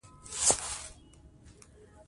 اقلیم د افغانستان د تکنالوژۍ پرمختګ سره تړاو لري.